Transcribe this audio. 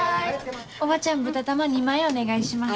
おばちゃん豚玉２枚お願いします。